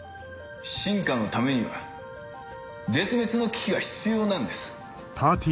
進化のためには絶滅の危機が必要なんです。